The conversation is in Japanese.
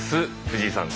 藤井さん